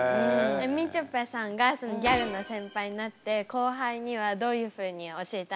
みちょぱさんがギャルの先輩になって後輩にはどういうふうに教えたんですか？